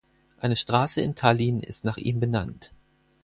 Eine Straße in Tallinn ist nach ihm benannt.